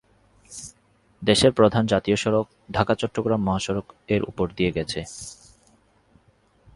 দেশের প্রধান জাতীয় সড়ক ঢাকা-চট্টগ্রাম মহাসড়ক এর উপর দিয়ে গেছে।